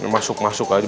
masuk masuk aja